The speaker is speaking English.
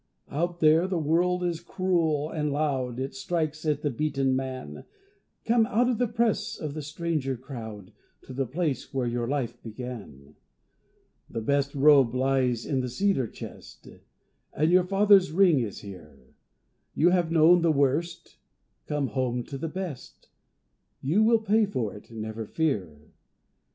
Out there the world is cruel and loud, It strikes at the beaten man; Come out of the press of the stranger crowd To the place where your life began. The best robe lies in the cedar chest, And your father's ring is here; You have known the worst, come home to the best You will pay for it, never fear!